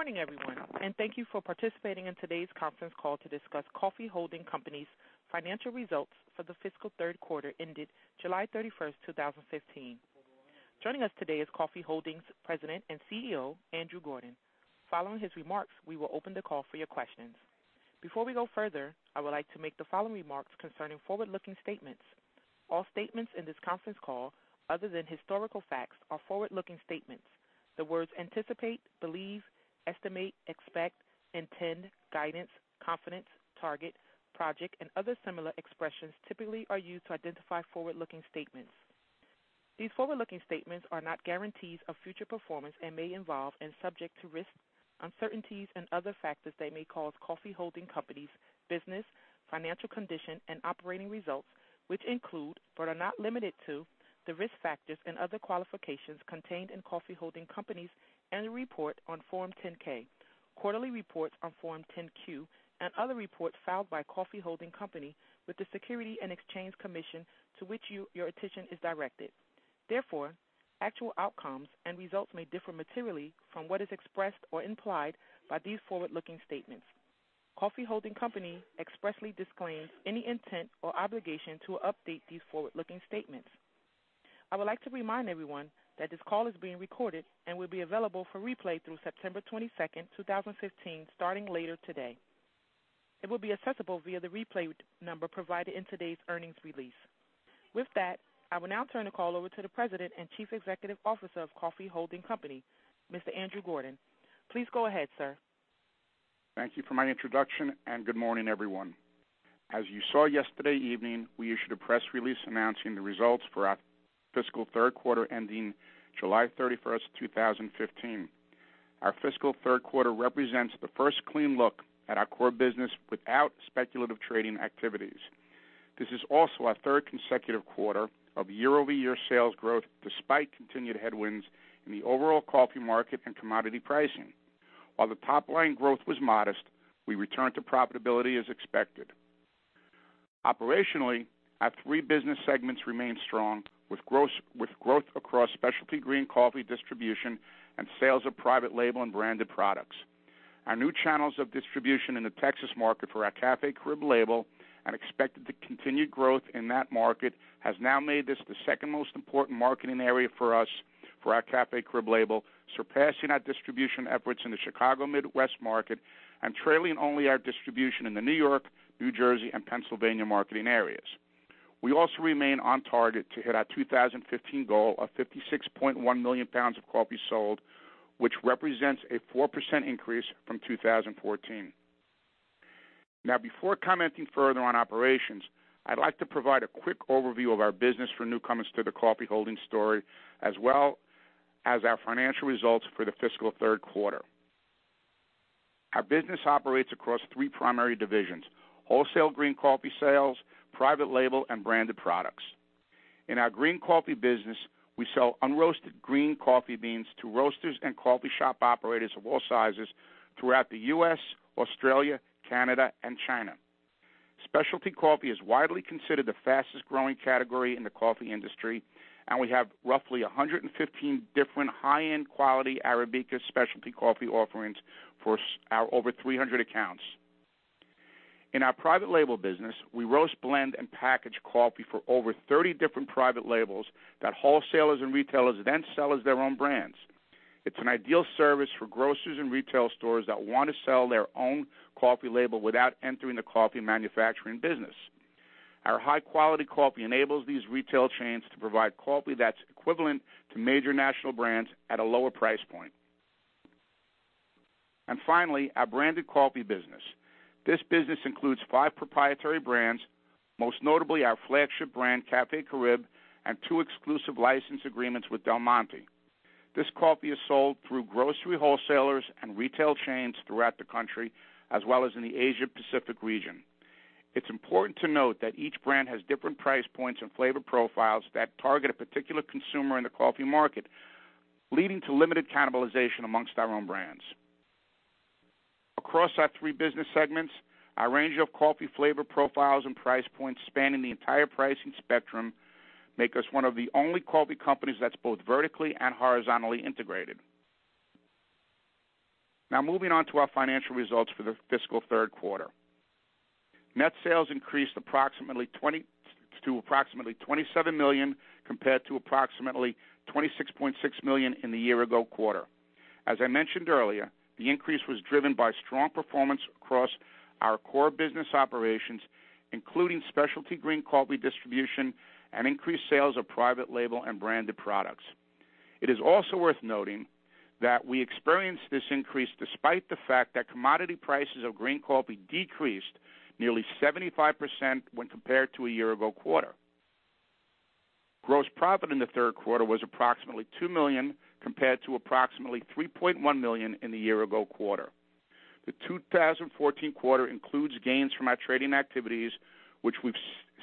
Good morning, everyone, thank you for participating in today's conference call to discuss Coffee Holding Company's financial results for the fiscal third quarter ended July 31st, 2015. Joining us today is Coffee Holdings President and CEO, Andrew Gordon. Following his remarks, we will open the call for your questions. Before we go further, I would like to make the following remarks concerning forward-looking statements. All statements in this conference call, other than historical facts, are forward-looking statements. The words anticipate, believe, estimate, expect, intend, guidance, confidence, target, project, and other similar expressions typically are used to identify forward-looking statements. These forward-looking statements are not guarantees of future performance and may involve and subject to risks, uncertainties, and other factors that may cause Coffee Holding Company's business, financial condition, and operating results, which include but are not limited to the risk factors and other qualifications contained in Coffee Holding Company's annual report on Form 10-K, quarterly reports on Form 10-Q, and other reports filed by Coffee Holding Company with the Securities and Exchange Commission to which your attention is directed. Therefore, actual outcomes and results may differ materially from what is expressed or implied by these forward-looking statements. Coffee Holding Company expressly disclaims any intent or obligation to update these forward-looking statements. I would like to remind everyone that this call is being recorded and will be available for replay through September 22nd, 2015, starting later today. It will be accessible via the replay number provided in today's earnings release. With that, I will now turn the call over to the President and Chief Executive Officer of Coffee Holding Company, Mr. Andrew Gordon. Please go ahead, sir. Thank you for my introduction. Good morning, everyone. As you saw yesterday evening, we issued a press release announcing the results for our fiscal third quarter ending July 31st, 2015. Our fiscal third quarter represents the first clean look at our core business without speculative trading activities. This is also our third consecutive quarter of year-over-year sales growth despite continued headwinds in the overall coffee market and commodity pricing. While the top line growth was modest, we returned to profitability as expected. Operationally, our three business segments remain strong with growth across specialty green coffee distribution and sales of private label and branded products. Our new channels of distribution in the Texas market for our Café Caribe label and expected to continue growth in that market has now made this the second most important marketing area for us for our Café Caribe label, surpassing our distribution efforts in the Chicago Midwest market and trailing only our distribution in the New York, New Jersey, and Pennsylvania marketing areas. We also remain on target to hit our 2015 goal of 56.1 MMlb of coffee sold, which represents a 4% increase from 2014. Before commenting further on operations, I'd like to provide a quick overview of our business for newcomers to the Coffee Holding story as well as our financial results for the fiscal third quarter. Our business operates across three primary divisions: wholesale green coffee sales, private label, and branded products. In our green coffee business, we sell unroasted green coffee beans to roasters and coffee shop operators of all sizes throughout the U.S., Australia, Canada, and China. Specialty coffee is widely considered the fastest-growing category in the coffee industry, and we have roughly 115 different high-end quality Arabica specialty coffee offerings for our over 300 accounts. In our private label business, we roast, blend, and package coffee for over 30 different private labels that wholesalers and retailers then sell as their own brands. It's an ideal service for grocers and retail stores that want to sell their own coffee label without entering the coffee manufacturing business. Our high-quality coffee enables these retail chains to provide coffee that's equivalent to major national brands at a lower price point. Finally, our branded coffee business. This business includes five proprietary brands, most notably our flagship brand, Café Caribe, and two exclusive license agreements with Del Monte. This coffee is sold through grocery wholesalers and retail chains throughout the country as well as in the Asia-Pacific region. It's important to note that each brand has different price points and flavor profiles that target a particular consumer in the coffee market, leading to limited cannibalization amongst our own brands. Across our three business segments, our range of coffee flavor profiles and price points spanning the entire pricing spectrum make us one of the only coffee companies that's both vertically and horizontally integrated. Moving on to our financial results for the fiscal third quarter. Net sales increased approximately to approximately $27 million compared to approximately $26.6 million in the year-ago quarter. As I mentioned earlier, the increase was driven by strong performance across our core business operations, including specialty green coffee distribution and increased sales of private label and branded products. It is also worth noting that we experienced this increase despite the fact that commodity prices of green coffee decreased nearly 75% when compared to a year-ago quarter. Gross profit in the third quarter was approximately $2 million compared to approximately $3.1 million in the year-ago quarter. The 2014 quarter includes gains from our trading activities, which we've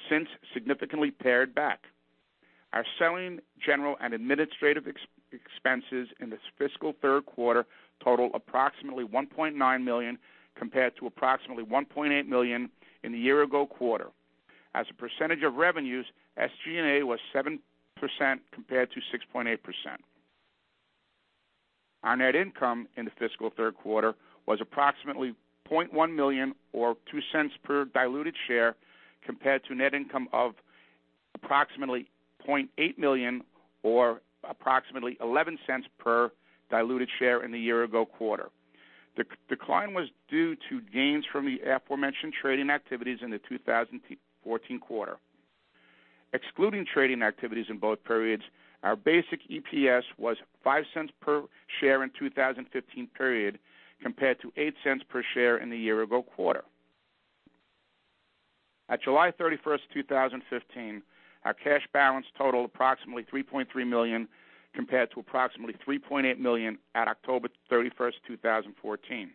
since significantly pared back. Our selling, general, and administrative expenses in this fiscal third quarter total approximately $1.9 million compared to approximately $1.8 million in the year-ago quarter. As a percentage of revenues, SG&A was 7% compared to 6.8%. Our net income in the fiscal third quarter was approximately $0.1 million or $0.02 per diluted share compared to net income of approximately $0.8 million or approximately $0.11 per diluted share in the year-ago quarter. The decline was due to gains from the aforementioned trading activities in the 2014 quarter. Excluding trading activities in both periods, our basic EPS was $0.05 per share in 2015 period compared to $0.08 per share in the year-ago quarter. At July 31st, 2015, our cash balance totaled approximately $3.3 million compared to approximately $3.8 million at October 31st, 2014.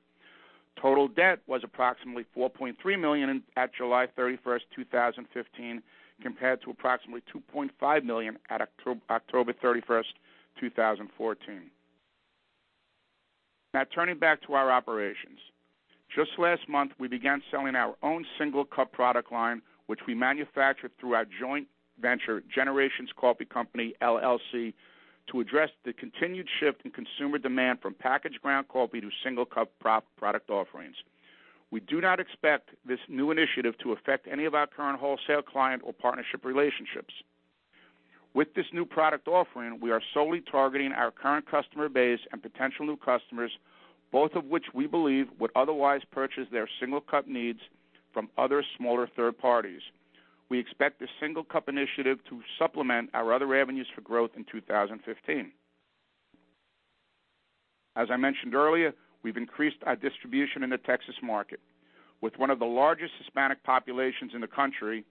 Total debt was approximately $4.3 million at July 31st, 2015, compared to approximately $2.5 million at October 31st, 2014. Turning back to our operations. Just last month, we began selling our own single cup product line, which we manufacture through our joint venture, Generations Coffee Company LLC, to address the continued shift in consumer demand from packaged ground coffee to single cup product offerings. We do not expect this new initiative to affect any of our current wholesale client or partnership relationships. With this new product offering, we are solely targeting our current customer base and potential new customers, both of which we believe would otherwise purchase their single cup needs from other smaller third parties. We expect the single cup initiative to supplement our other revenues for growth in 2015. As I mentioned earlier, we've increased our distribution in the Texas market with one of the largest Hispanic populations in the country.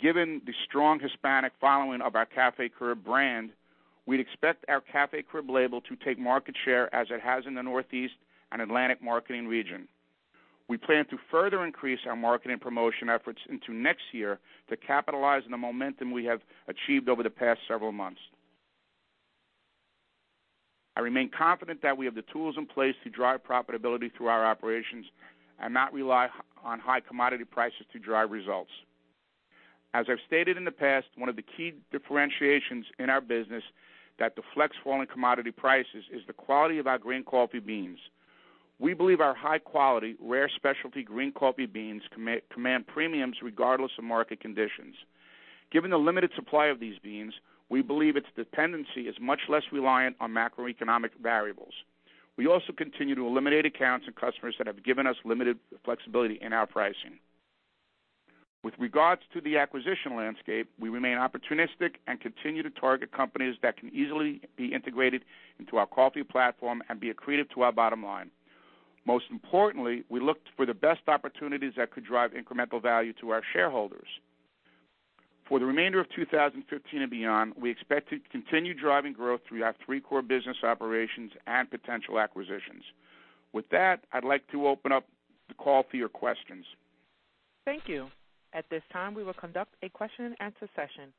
Given the strong Hispanic following of our Café Caribe brand, we'd expect our Café Caribe label to take market share as it has in the Northeast and Atlantic marketing region. We plan to further increase our marketing promotion efforts into next year to capitalize on the momentum we have achieved over the past several months. I remain confident that we have the tools in place to drive profitability through our operations and not rely on high commodity prices to drive results. As I've stated in the past, one of the key differentiations in our business that the flex falling commodity prices is the quality of our green coffee beans. We believe our high quality, rare specialty green coffee beans command premiums regardless of market conditions. Given the limited supply of these beans, we believe its dependency is much less reliant on macroeconomic variables. We also continue to eliminate accounts and customers that have given us limited flexibility in our pricing. With regards to the acquisition landscape, we remain opportunistic and continue to target companies that can easily be integrated into our coffee platform and be accretive to our bottom line. Most importantly, we look for the best opportunities that could drive incremental value to our shareholders. For the remainder of 2015 and beyond, we expect to continue driving growth through our three core business operations and potential acquisitions. With that, I'd like to open up the call for your questions. Thank you. At this time, we will conduct a question-and-answer session.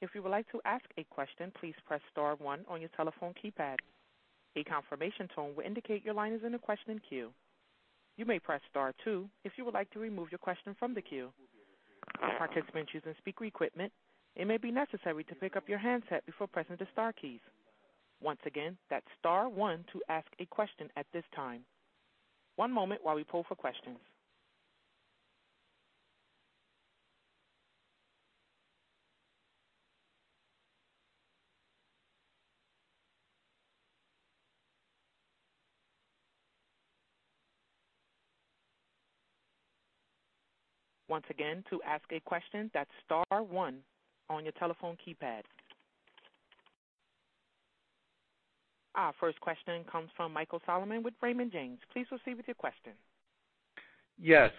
If you would like to ask a question, please press star one on your telephone keypad. A confirmation tone will indicate your line is in the questioning queue. You may press star two if you would like to remove your question from the queue. Participants using speaker equipment, it may be necessary to pick up your handset before pressing the star keys. Once again, that's star one to ask a question at this time. One moment while we poll for questions. Once again, to ask a question, that's star one on your telephone keypad. Our first question comes from Michael Solomon with Raymond James. Please proceed with your question. Yes,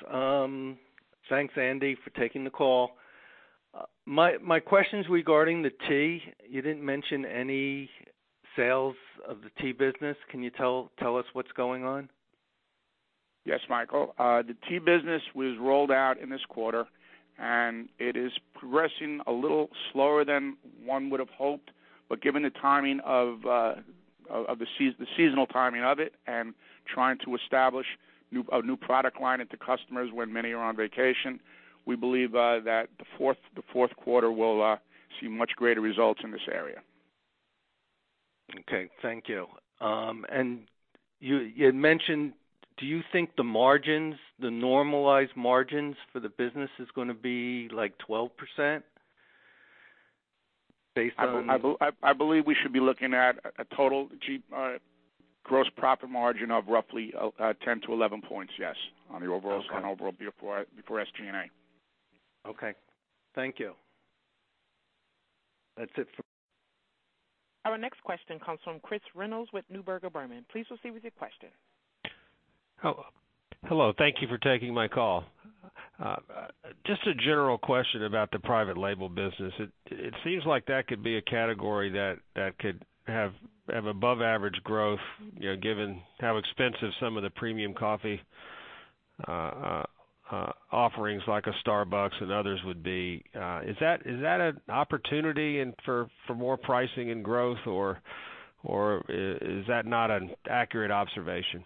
thanks, Andy, for taking the call. My question is regarding the tea. You didn't mention any sales of the tea business. Can you tell us what's going on? Yes, Michael. The tea business was rolled out in this quarter, and it is progressing a little slower than one would have hoped. Given the timing of the seasonal timing of it and trying to establish a new product line into customers when many are on vacation, we believe that the fourth quarter will see much greater results in this area. Okay, thank you. You had mentioned, do you think the margins, the normalized margins for the business is gonna be like 12% based on? I believe we should be looking at a total gross profit margin of roughly 10 to 11 points, yes. On the overall- Okay. On overall before SG&A. Okay. Thank you. That's it for me. Our next question comes from Chris Reynolds with Neuberger Berman. Please proceed with your question. Hello. Thank you for taking my call. Just a general question about the private label business. It seems like that could be a category that could have above average growth, you know, given how expensive some of the premium coffee offerings like a Starbucks and others would be. Is that an opportunity and for more pricing and growth, or is that not an accurate observation?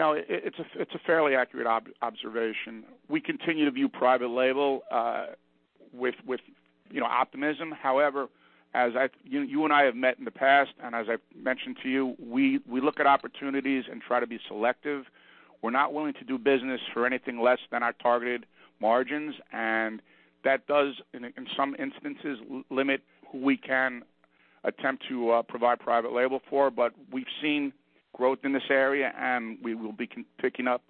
It's a fairly accurate observation. We continue to view private label with, you know, optimism. As you and I have met in the past, and as I've mentioned to you, we look at opportunities and try to be selective. We're not willing to do business for anything less than our targeted margins, and that does, in some instances, limit who we can attempt to provide private label for. We've seen growth in this area, and we will be picking up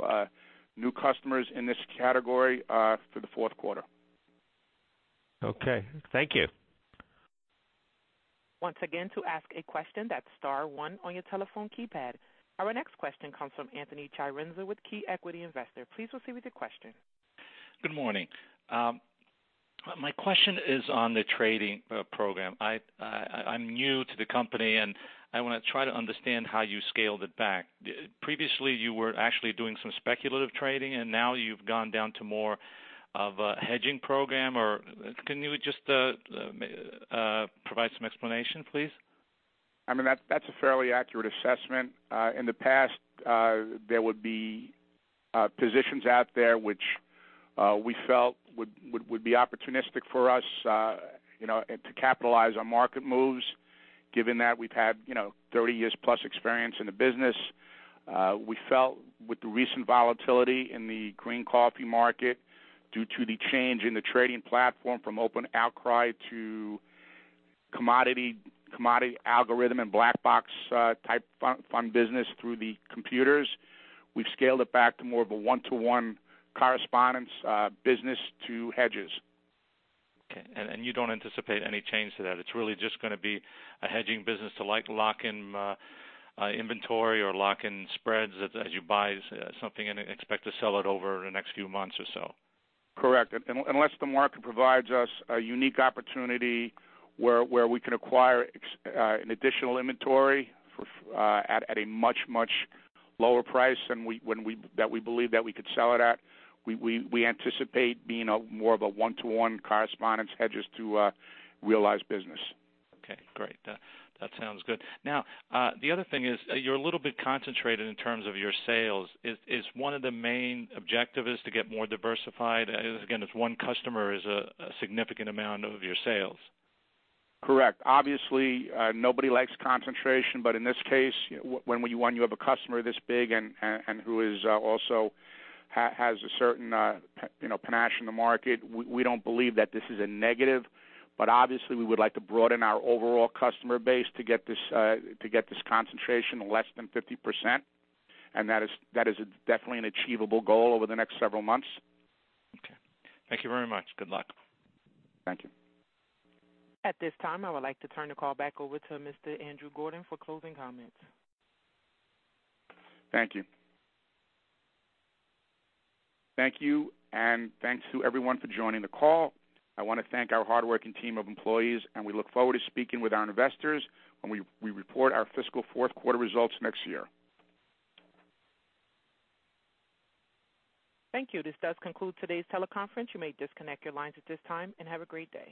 new customers in this category for the fourth quarter. Okay. Thank you. Once again, to ask a question, that's star 1 on your telephone keypad. Our next question comes from Anthony Chiarenza with Key Equity Investor. Please proceed with your question. Good morning. My question is on the trading program. I'm new to the company, and I wanna try to understand how you scaled it back. Previously, you were actually doing some speculative trading, and now you've gone down to more of a hedging program. Can you just provide some explanation, please? I mean, that's a fairly accurate assessment. In the past, there would be positions out there which we felt would be opportunistic for us, you know, and to capitalize on market moves. Given that we've had, you know, 30 years plus experience in the business, we felt with the recent volatility in the green coffee market due to the change in the trading platform from open outcry to commodity algorithm and black box type business through the computers, we've scaled it back to more of a one-to-one correspondence business to hedges. Okay. You don't anticipate any change to that? It's really just gonna be a hedging business to like lock in inventory or lock in spreads as you buy something and expect to sell it over the next few months or so. Correct. Unless the market provides us a unique opportunity where we can acquire an additional inventory for at a much lower price than we that we believe that we could sell it at, we anticipate being a more of a one-to-one correspondence hedges to realize business. Okay, great. That sounds good. The other thing is you're a little bit concentrated in terms of your sales. Is one of the main objective is to get more diversified? Again, if one customer is a significant amount of your sales. Correct. Obviously, nobody likes concentration, but in this case, when you have a customer this big and who is, also has a certain, you know, panache in the market, we don't believe that this is a negative. Obviously, we would like to broaden our overall customer base to get this concentration less than 50%, and that is definitely an achievable goal over the next several months. Okay. Thank you very much. Good luck. Thank you. At this time, I would like to turn the call back over to Mr. Andrew Gordon for closing comments. Thank you. Thanks to everyone for joining the call. I wanna thank our hardworking team of employees, and we look forward to speaking with our investors when we report our fiscal fourth quarter results next year. Thank you. This does conclude today's teleconference. You may disconnect your lines at this time and have a great day.